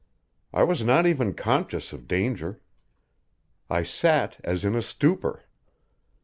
I was not even conscious of danger. I sat as in a stupor.